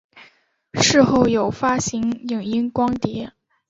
事后有发行影音光碟。